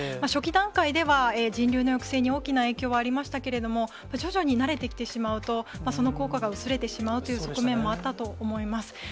初期段階では、人流の抑制に大きな影響はありましたけれども、徐々に慣れてきてしまうと、その効果が薄れてしまうという局面もあったと思います。